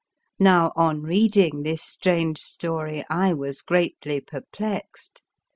Now on reading this strange story I was greatly perplexed.